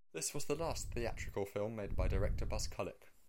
This was the last theatrical film made by director Buzz Kulik.